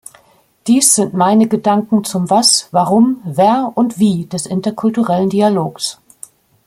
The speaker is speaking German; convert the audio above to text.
Dies sind meine Gedanken zum Was, Warum, Wer und Wie des interkulturellen Dialogs.